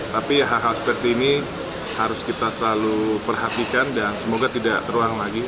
tapi hal hal seperti ini harus kita selalu perhatikan dan semoga tidak terulang lagi